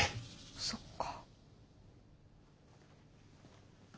そっか。